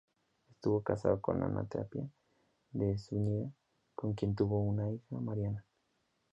Estuvo casado con Ana de Tapia y Zúñiga, con quien tuvo una hija, Mariana.